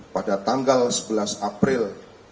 pada tanggal sebelas april dua ribu dua puluh